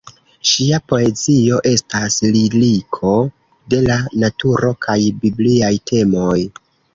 Ŝia poezio estas liriko de la naturo kaj bibliaj temoj.